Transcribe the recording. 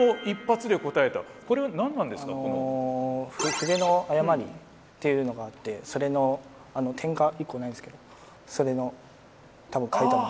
「筆の誤り」っていうのがあってそれのあの点が１個ないんですけどそれの多分書いたの。